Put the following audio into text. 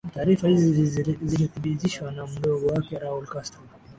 Taarifa hizi zilithibitishwa na mdogo wake Raul Castro